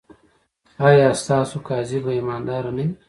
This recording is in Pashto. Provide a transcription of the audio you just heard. ایا ستاسو قاضي به ایماندار نه وي؟